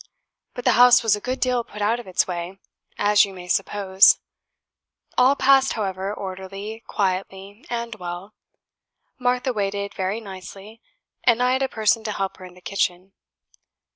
But the house was a good deal put out of its way, as you may suppose; all passed, however, orderly, quietly, and well. Martha waited very nicely, and I had a person to help her in the kitchen.